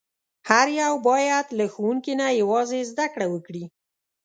هر یو باید له ښوونکي نه یوازې زده کړه وکړي.